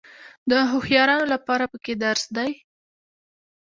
د هوښیارانو لپاره پکې درس دی.